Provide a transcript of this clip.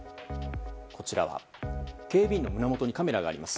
こちらは、警備員の胸元にカメラがあります。